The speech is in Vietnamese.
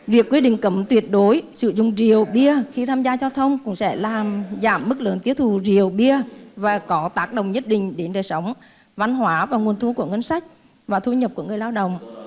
việc quy định cấm tuyệt đối sử dụng rượu bia khi tham gia giao thông cũng sẽ giảm mức lượng tiết thù rượu bia và có tác động nhất định đến đời sống văn hóa và nguồn thu của ngân sách và thu nhập của người lao động